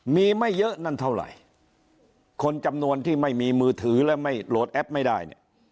มีไม่เยอะนั่นเท่าไหร่คนจำนวนที่ไม่มีมือถือและไม่โหลดแอปไม่ได้เนี่ย